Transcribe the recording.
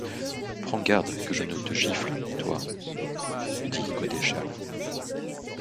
Prends garde que je ne te gifle, toi ! dit Godeschal.